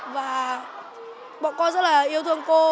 và bọn con rất là yêu thương cô